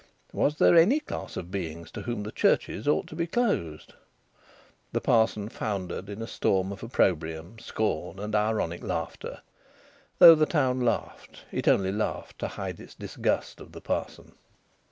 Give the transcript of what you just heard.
Was there any class of beings to whom the churches ought to be closed? The parson foundered in a storm of opprobrium, scorn, and ironic laughter. Though the town laughed, it only laughed to hide its disgust of the parson.